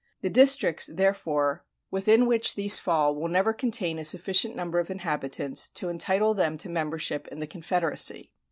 The districts, therefore, within which these fall will never contain a sufficient number of inhabitants to entitle them to membership in the confederacy."